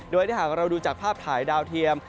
โดยถ้าหากเราดูจากภาพถ่ายดาวเทียม